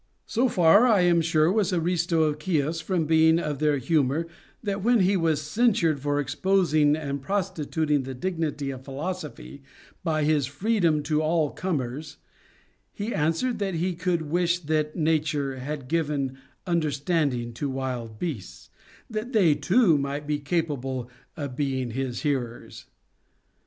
So far, I am sure, was Aristo of Chios from being of their humor, that when he was censured for exposing and prostituting the dignity of philosophy by his freedom to all comers, he answered, that he could wish that Nature had given understanding to wild beasts, that they too might be capable of being his hearers.